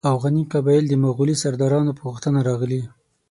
اوغاني قبایل د مغولي سردارانو په غوښتنه راغلي.